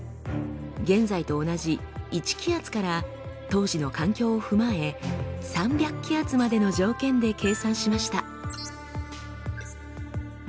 現在と同じ１気圧から当時の環境を踏まえ３００気圧までの条件で計算しました。